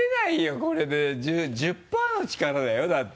これで１０％の力だよだって。